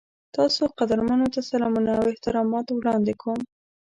تاسو قدرمنو ته سلامونه او احترامات وړاندې کوم.